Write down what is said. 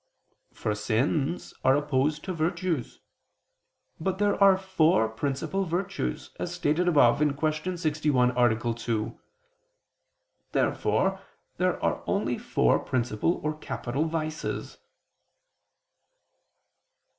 For sins are opposed to virtues. But there are four principal virtues, as stated above (Q. 61, A. 2). Therefore there are only four principal or capital vices.